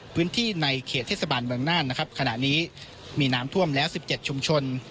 ในเขตเทศบาลเมืองน่านนะครับขณะนี้มีน้ำท่วมแล้ว๑๗ชุมชน